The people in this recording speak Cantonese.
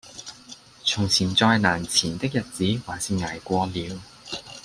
從前再難纏的日子還是捱過了